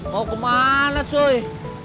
mau kemana cuy